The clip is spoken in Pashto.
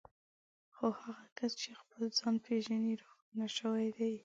خو هغه کس چې خپل ځان پېژني روښانه شوی دی.